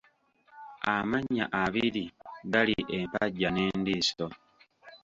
Amannya abiri gali empajja n'endiiso.